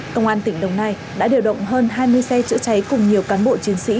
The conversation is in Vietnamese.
công an tỉnh đồng nai đã điều động hơn hai mươi xe chữa cháy cùng nhiều cán bộ chiến sĩ